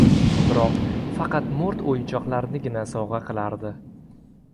biroq faqat moʻrt oʻyinchoqlarnigina sovgʻa qilardi.